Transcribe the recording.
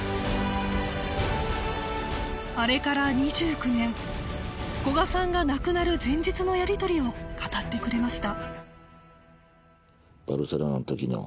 あれから２９年古賀さんが亡くなる前日のやり取りを語ってくれました